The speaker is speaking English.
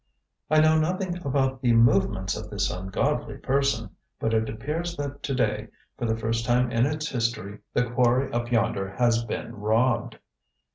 "I know nothing about the movements of this ungodly person, but it appears that to day, for the first time in its history, the quarry up yonder has been robbed.